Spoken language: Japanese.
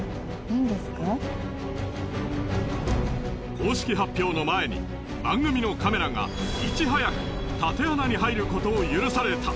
公式発表の前に番組のカメラがいち早くたて穴に入ることを許された。